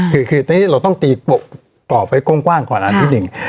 คือตอนนี้เราต้องตีกรอบไว้กว้างก่อนอันที่หนึ่ง